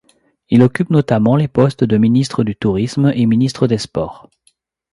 Il occupe notamment les postes de Ministre du Tourisme et de Ministre des Sports.